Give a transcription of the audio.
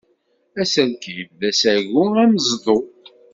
Aselkim d asagu ameẓdu.